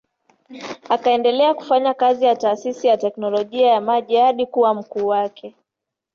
Akaendelea kufanya kazi ya taasisi ya teknolojia ya maji hadi kuwa mkuu wake.